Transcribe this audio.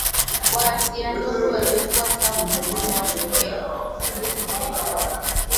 wa Asia Ndogo walikuwa sawa na Wasumeri